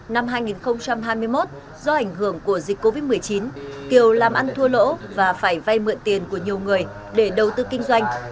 năm hai nghìn hai mươi một do ảnh hưởng của dịch covid một mươi chín kiều làm ăn thua lỗ và phải vay mượn tiền của nhiều người để đầu tư kinh doanh